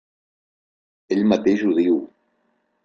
Ell mateix ho diu: